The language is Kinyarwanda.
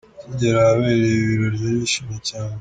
Akigera ahabereye ibi birori yari yishimye cyane.